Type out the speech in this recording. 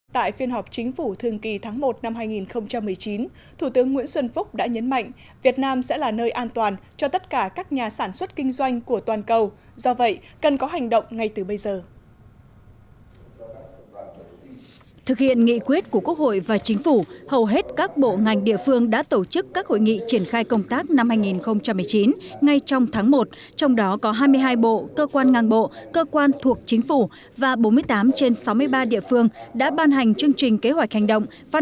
tại phiên họp chính phủ thường kỳ tháng một năm hai nghìn một mươi chín thủ tướng nguyễn xuân phúc đã nhấn mạnh việt nam sẽ là nơi an toàn cho tất cả các nhà sản xuất kinh doanh của toàn cầu do vậy cần có hành động ngay từ bây giờ